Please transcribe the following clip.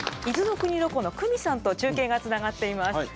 伊豆の国ロコの九美さんと中継がつながっています。